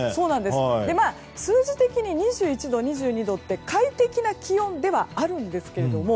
数字的に２１度、２２度って快適な気温ではあるんですけども